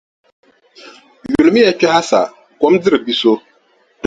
Yulimiya kpɛha sa, kom diri biʼ so.